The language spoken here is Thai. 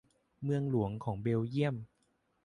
เมืองหลวงของเบลเยี่ยม